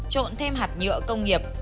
trộn thêm hạt nhựa công nghiệp